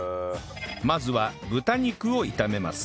まずは豚肉を炒めます